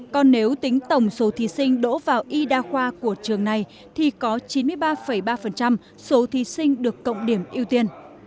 còn nếu tính tổng số thí sinh đỗ vào y đa khoa của trường này thì có chín mươi ba ba số thí sinh được cộng điểm ưu tiên